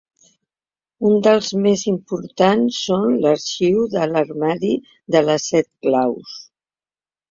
Un dels més importants són l'Arxiu de l'Armari de les Set Claus.